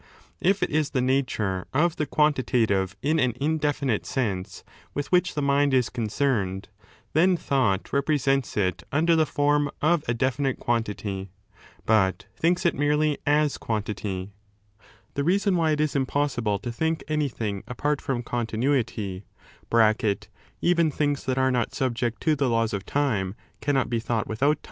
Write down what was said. If 6 it is the nature of the quantitative in an indefinite sense •with which the mind is concerned, then thought represents 'ft under the form of a definite quantity, but thinks it merely as quantity. The reason why it is impossible to think anything apart from continuity (even things that are not subject to the laws of time cannot be thought ' The orgui of memorj and the oi^ui whereby w 0«DtnU orgaa or heut (4Sla 17).